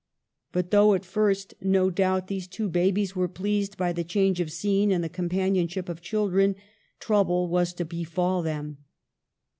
* But though at first, no doubt, these two babies were pleased by the change of scene and the companionship of children, trouble was to befall them.